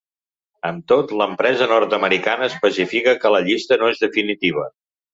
Amb tot, l’empresa nord-americana especifica que la llista no és definitiva.